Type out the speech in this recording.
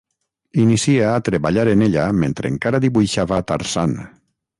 Inicia a treballar en ella mentre encara dibuixava Tarzan.